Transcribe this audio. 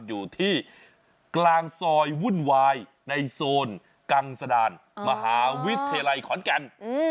อยู่ที่กลางซอยวุ่นวายในโซนกังสดานมหาวิทยาลัยขอนแก่น